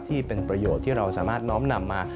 ที่เป็นประโยชน์ที่เราสามารถน้อมนำมา